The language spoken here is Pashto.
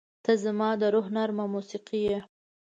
• ته زما د روح نرمه موسیقي یې.